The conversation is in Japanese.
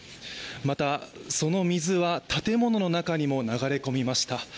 また、その水は建物の中にも流れ込みました。